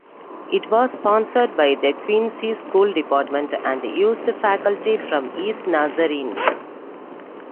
It was sponsored by the Quincy School Department and used faculty from Eastern Nazarene.